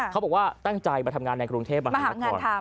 เขาบอกว่าตั้งใจมาทำงานในกรุงเทพมหานคร